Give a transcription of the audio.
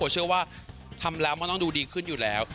เชื่อว่าทำแล้วมันต้องดูดีขึ้นอยู่แล้ว